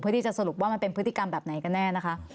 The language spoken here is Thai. เพื่อที่จะสรุปว่ามันเป็นพฤติกรรมแบบไหนกันแน่นะคะ